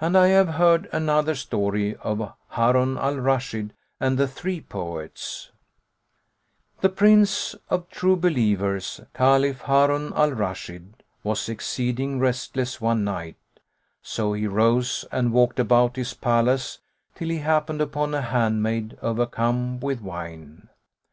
And I have heard another story of HARUN AL RASHID AND THE THREE POETS The Prince of True Believers, Caliph Harun al Rashid, was exceeding restless one night; so he rose and walked about his palace, till he happened upon a handmaid overcome with wine.